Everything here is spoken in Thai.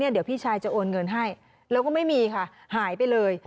เดี๋ยวพี่ชายจะโอนเงินให้แล้วก็ไม่มีค่ะหายไปเลย